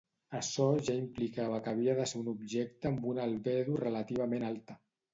Açò ja implicava que havia de ser un objecte amb una albedo relativament alta.